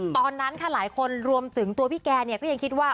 ตอนนั้นค่ะหลายคนรวมถึงตัวพี่แกเนี่ยก็ยังคิดว่า